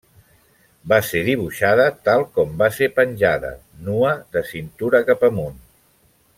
Va ser dibuixada tal com la va ser penjada: nua de cintura cap amunt.